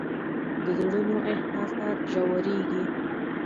د زړونو احساسات ژورېږي